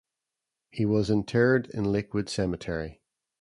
He was interred in Lakewood Cemetery.